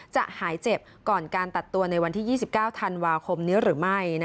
หายเจ็บก่อนการตัดตัวในวันที่๒๙ธันวาคมนี้หรือไม่